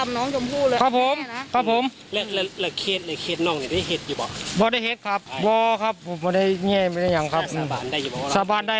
หรือให้พระเจ้ากลับสามารถเรียกลวงอย่างผมเราไม่ได้